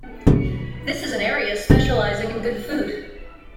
This is an area specialising in good food.